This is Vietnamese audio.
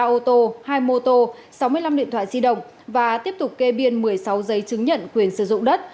ba ô tô hai mô tô sáu mươi năm điện thoại di động và tiếp tục kê biên một mươi sáu giấy chứng nhận quyền sử dụng đất